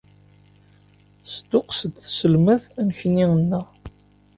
Tesduqqes-d tselmadt annekni-nneɣ.